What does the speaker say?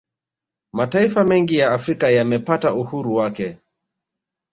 Mataifa mengi ya Afrika yamepata uhuru wake